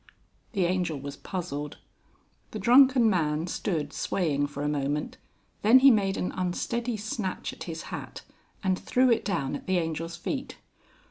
The Angel was puzzled. The drunken man stood swaying for a moment, then he made an unsteady snatch at his hat and threw it down at the Angel's feet.